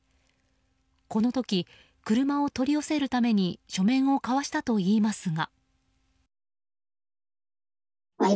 この時、車を取り寄せるために書面を交わしたといいますが。